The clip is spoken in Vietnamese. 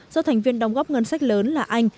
do thành viên đóng góp ngân sách lớn là anh